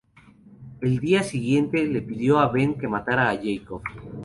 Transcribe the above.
El día siguiente, le pidió a Ben que matara a Jacob.